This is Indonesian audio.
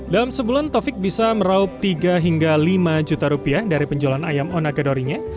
dalam sebulan taufik bisa meraup tiga hingga lima juta rupiah dari penjualan ayam onagadorinya